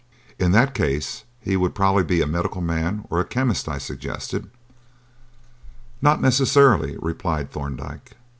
"In that case he would probably be a medical man or a chemist," I suggested. "Not necessarily," replied Thorndyke.